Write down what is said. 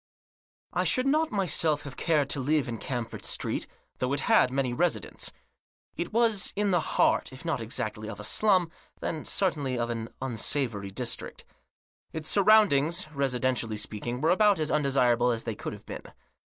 I SHOULD not myself have cared to live in Camford Street, though it had many residents. It was in the heart, if not exactly of a slum, then certainly of an unsavoury district. Its surroundings, residentially speaking, were about as undesirable as they could have been.